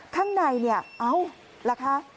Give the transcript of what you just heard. ข้างในเนี่ยเอาล่ะคะ